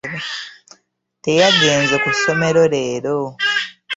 Teyagenze ku ssomero leero.